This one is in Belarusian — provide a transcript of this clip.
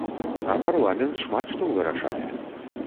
А парламент шмат што вырашае.